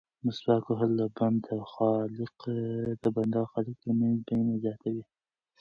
مسواک وهل د بنده او خالق ترمنځ مینه زیاتوي.